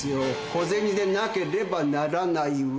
小銭でなければならない訳。